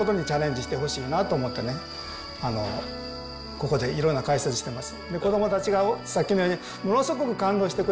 ここでいろんな解説してます。